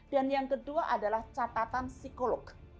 dan yang kedua adalah catatan psikolog